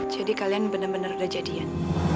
jadi kalian benar benar udah jadian